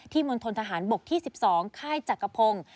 มณฑนทหารบกที่๑๒ค่ายจักรพงศ์